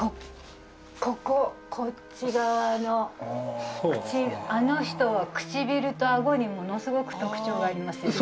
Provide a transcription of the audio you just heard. こここっち側の口あの人は唇と顎にものすごく特徴がありますよね